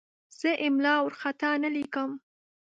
زه املا وارخطا نه لیکم.